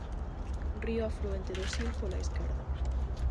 Río afluente do Sil pola esquerda.